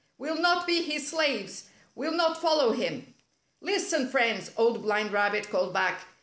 "We'll not be his slaves! We'll not follow him! " "Listen, friends!" Old Blind Rabbit called back.